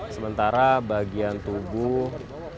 sementara bagian tubuh dan jenazah akan dibawa ke rumah sakit polri